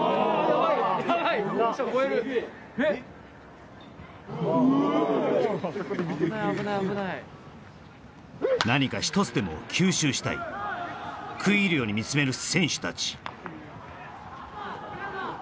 ・危ない危ない危ない何か一つでも吸収したい食い入るように見つめる選手たち